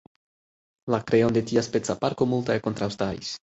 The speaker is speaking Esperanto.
La kreon de tiaspeca parko multaj kontraŭstaris.